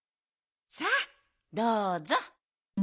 さあどうぞ！